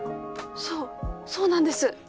そうそうなんです。